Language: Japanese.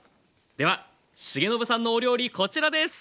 では重信さんのお料理こちらです！